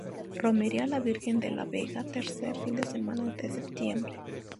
Romería a la Virgen de la Vega.Tercer fin de semana de septiembre.